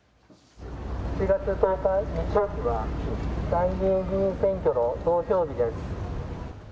７月１０日日曜日は、参議院議員選挙の投票日です。